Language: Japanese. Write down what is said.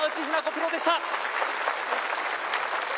プロでした。